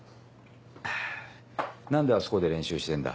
何であそこで練習してんだ？